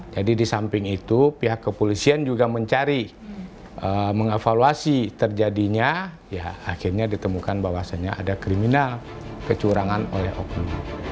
jadi di samping itu pihak kepolisian juga mencari mengevaluasi terjadinya ya akhirnya ditemukan bahwasannya ada kriminal kecurangan oleh oknum